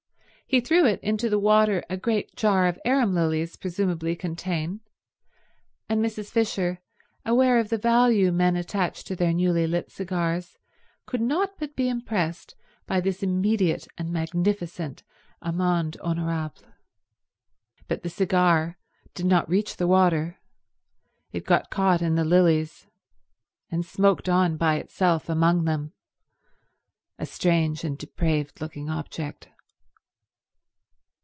He threw it into the water a great jar of arum lilies presumably contain, and Mrs. Fisher, aware of the value men attach to their newly lit cigars, could not but be impressed by this immediate and magnificent amende honorable. But the cigar did not reach the water. It got caught in the lilies, and smoked on by itself among them, a strange and depraved looking object.